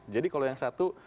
jadi kalau yang satu